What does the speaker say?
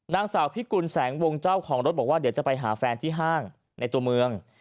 นางสาวพิกุลแสงวงเจ้าของรถบอกว่าเดี๋ยวจะไปหาแฟนที่ห้างในตัวเมือง